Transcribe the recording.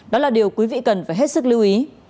đó là điều quý vị cần phải hết sức lưu ý